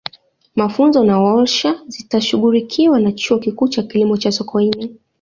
mafunzo na warsha zitashughulikiwa na chuo kikuu cha kilimo cha sokoine